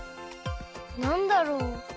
なんだろう？